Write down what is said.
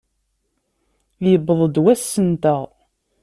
Yewweḍ-d wass-nteɣ!